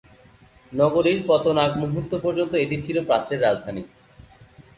নগরীর পতন আগ মুহূর্ত পর্যন্ত এটি ছিল প্রাচ্যের রাজধানী।